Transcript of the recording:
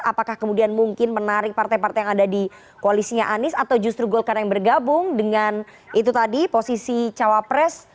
apakah kemudian mungkin menarik partai partai yang ada di koalisinya anies atau justru golkar yang bergabung dengan itu tadi posisi cawapres